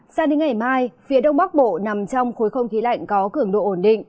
sang đến ngày mai phía đông bắc bộ nằm trong khối không khí lạnh có cường độ ổn định